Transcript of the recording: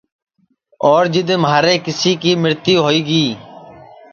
اور جِدؔ مہارے کیسی کی مرتیو ہوئی گی